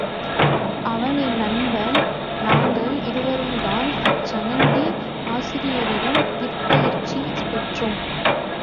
அவன் என் நண்பன், நாங்கள் இருவரும்தான் அச்சணந்தி ஆசிரியரிடம் விற்பயிற்சி பெற்றோம்.